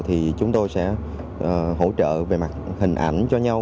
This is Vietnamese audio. thì chúng tôi sẽ hỗ trợ về mặt hình ảnh cho nhau